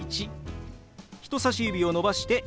人さし指を伸ばして「１」。